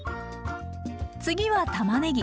次はたまねぎ。